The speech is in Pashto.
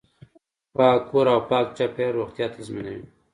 پاک کور او پاک چاپیریال روغتیا تضمینوي.